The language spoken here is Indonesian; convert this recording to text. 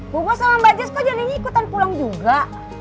bu sama mbak jess kok jadinya ikutan pulang juga